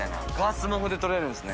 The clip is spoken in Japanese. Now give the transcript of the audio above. スマホで撮れるんですね。